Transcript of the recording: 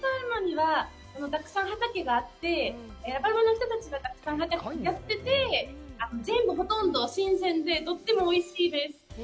たくさん畑があって、たくさんやってて、全部ほとんど、新鮮でとってもおいしいです。